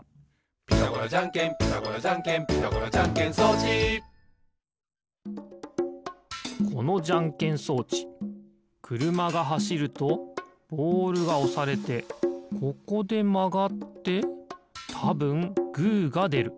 「ピタゴラじゃんけんピタゴラじゃんけん」「ピタゴラじゃんけん装置」このじゃんけん装置くるまがはしるとボールがおされてここでまがってたぶんグーがでる。